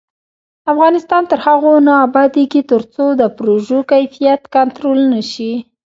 افغانستان تر هغو نه ابادیږي، ترڅو د پروژو کیفیت کنټرول نشي.